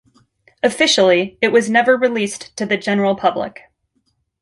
Officially, it was never released to the general public.